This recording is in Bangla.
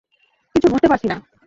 কিছু বুঝতে পারছি না।